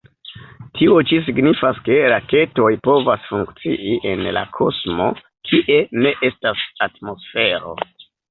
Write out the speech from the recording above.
Tio ĉi signifas ke raketoj povas funkcii en la kosmo, kie ne estas atmosfero.